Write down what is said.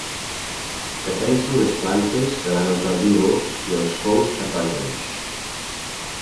Defensen les plantes davant els herbívors i els fongs patògens.